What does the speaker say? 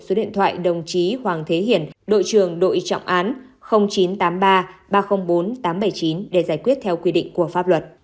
số điện thoại đồng chí hoàng thế hiển đội trưởng đội trọng án chín trăm tám mươi ba ba trăm linh bốn tám trăm bảy mươi chín để giải quyết theo quy định của pháp luật